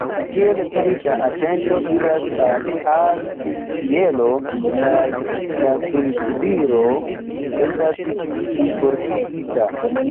Tiel pli da atento iras al al ĉielo kaj la sunsubiro estas plifortigita.